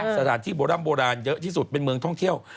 สถานที่โบร่ำโบราณเยอะที่สุดเป็นเมืองท่องเที่ยว